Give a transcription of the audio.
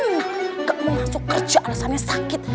enggak mau masuk kerja alasannya sakit